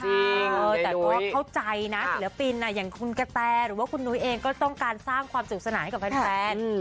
แต่ก็เข้าใจนะศิลปินอย่างคุณกะแตหรือว่าคุณนุ้ยเองก็ต้องการสร้างความสุขสนานให้กับแฟน